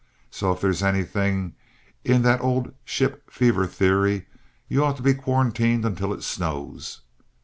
So if there's anything in that old 'ship fever theory,' you ought to be quarantined until it snows.